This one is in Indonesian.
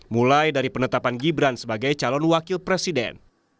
mulai dari penetapan gibran sebagai calon wakil presiden